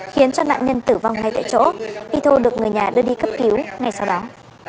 khiến cho nạn nhân tử vong ngay tại chỗ ito được người nhà đưa đi cấp cứu